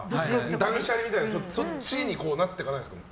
断捨離とかそっちになっていかないんですか。